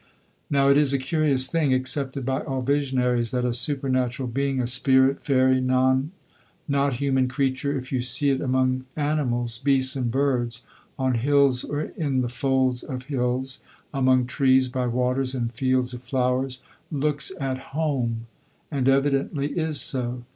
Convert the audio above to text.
Now, it is a curious thing, accepted by all visionaries, that a supernatural being, a spirit, fairy, not human creature, if you see it among animals, beasts and birds, on hills or in the folds of hills, among trees, by waters, in fields of flowers, looks at home and evidently is so.